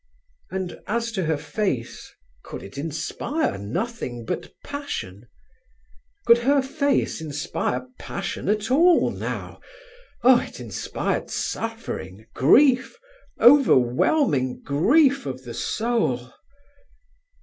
And as to her face, could it inspire nothing but passion? Could her face inspire passion at all now? Oh, it inspired suffering, grief, overwhelming grief of the soul!